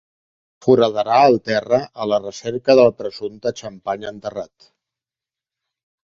Foradarà el terra a la recerca del presumpte xampany enterrat.